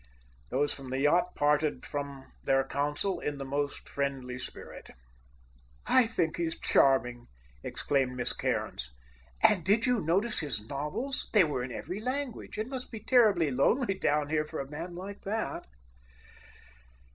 Those from the yacht parted from their consul in the most friendly spirit. "I think he's charming!" exclaimed Miss Cairns. "And did you notice his novels? They were in every language. It must be terribly lonely down here, for a man like that."